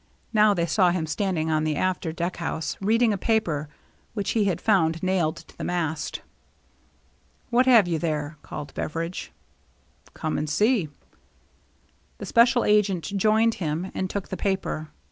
Now they saw him standing on the after deck house, reading a paper which he had found nailed to the mast. " What have you there ?" called Beveridge. " Come and see." The special agent joined him and took the paper.